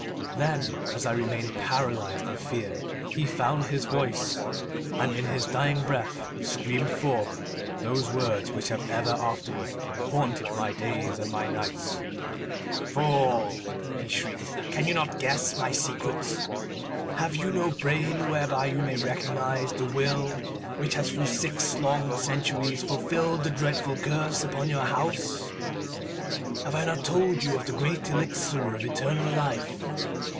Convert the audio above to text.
Then, as I remained, paralyzed with fear, he found his voice and in his dying breath screamed forth those words which have ever afterward haunted my days and my nights. "Fool," he shrieked, "can you not guess my secret? Have you no brain whereby you may recognize the will which has through six long centuries fulfilled the dreadful curse upon your house? Have I not told you of the great elixir of eternal life?